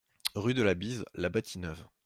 Rue de la Bise, La Bâtie-Neuve